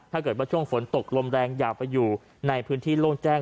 ถ้าเกิดว่าช่วงฝนตกลมแรงอย่าไปอยู่ในพื้นที่โล่งแจ้ง